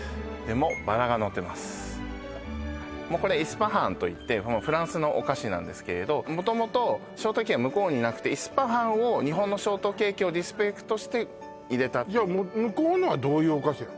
もうこれイスパハンといってフランスのお菓子なんですけれど元々ショートケーキは向こうになくてイスパハンを日本のショートケーキをリスペクトして入れたっていうじゃ向こうのはどういうお菓子なの？